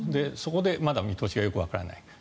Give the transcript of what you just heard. そこでまだ見通しがよくわからない。